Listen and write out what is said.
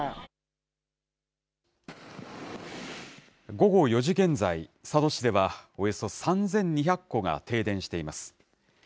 午後４時現在、佐渡市ではおよそ３２００戸が停電しています。